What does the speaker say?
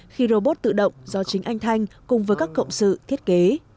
khi robot tự động do chính anh thanh cùng với các cộng sự thiết kế